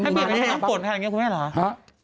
ไม่ใช้น้ำปร่ะให้ใช้น้ำปร่อยแทนกันหรอ